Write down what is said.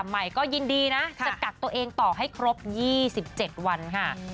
ใหม่ก็ยินดีนะจะกักตัวเองต่อให้ครบ๒๗วันค่ะ